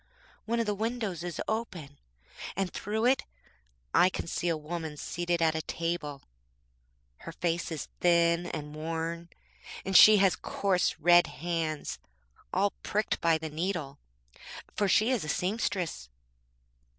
One of the windows is open, and through it I can see a woman seated at a table. Her face is thin and worn, and she has coarse, red hands, all pricked by the needle, for she is a seamstress.